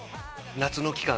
夏の期間